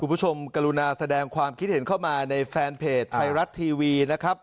คุณผู้ชมกรุณาแสดงความคิดเห็นเข้ามาในแฟนเพจไทยรัฐทีวีนะครับ